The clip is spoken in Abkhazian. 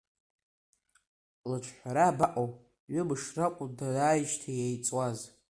Лыҿҳәара абаҟоу, ҩымш ракәын дааижьҭеи иҵуаз.